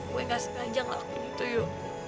gue gak sengaja ngelakuin itu ayu